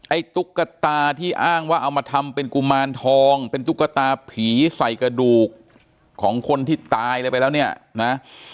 ตุ๊กตาที่อ้างว่าเอามาทำเป็นกุมารทองเป็นตุ๊กตาผีใส่กระดูกของคนที่ตายอะไรไปแล้วเนี่ยนะ